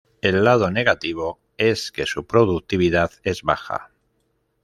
El lado negativo, es que su productividad es baja.